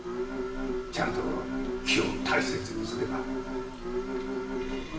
ちゃんと木を大切にすれば。